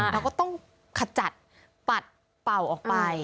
เราก็ต้องขจัดปัดเป่าออกไป